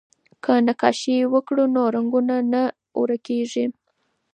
که نقاشي وکړو نو رنګونه نه ورکيږي.